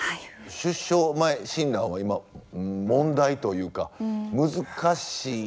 出生前診断は今問題というか難しい。